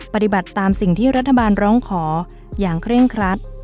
ปฏิบัติตามสิ่งที่รัฐบาลร้องขออย่างเคร่งครัด